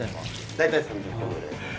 大体３０分ぐらい。